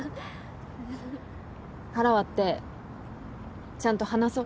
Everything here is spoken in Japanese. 腹割ってちゃんと話そう。